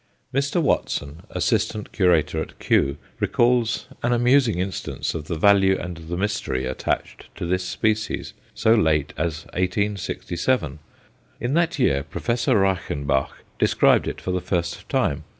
Mr. Watson, Assistant Curator at Kew, recalls an amusing instance of the value and the mystery attached to this species so late as 1867. In that year Professor Reichenbach described it for the first time.